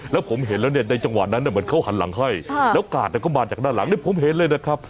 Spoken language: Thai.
แล้วผมเห็นแล้วเนี่ยในจังหวะนั้นเหมือนเขาหันหลังให้แล้วกาดก็มาจากด้านหลังนี่ผมเห็นเลยนะครับ